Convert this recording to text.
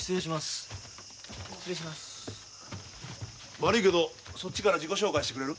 悪いけどそっちから自己紹介してくれる？